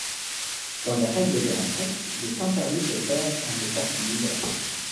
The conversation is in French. Dans les règles de la secte, il est interdit de faire un effort similaire.